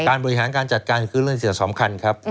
บริหารการจัดการคือเรื่องเสียสำคัญครับ